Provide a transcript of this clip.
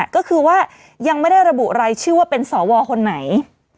ก็คือว่ายังไม่ได้ระบุรายชื่อว่าเป็นสวคนไหน